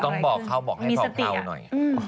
ต้องบอกเขาบอกให้เผาหน่อย